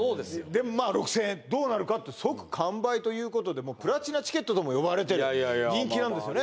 でもまあ６０００円どうなるかって即完売ということでプラチナチケットとも呼ばれてるいやいやいや人気なんですよね